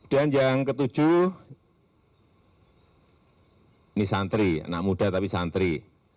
dan yang ketujuh ini santri anak muda tapi santri